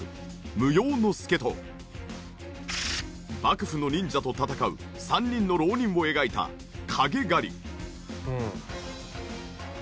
『無用ノ介』と幕府の忍者と戦う３人の浪人を描いた『影狩り』。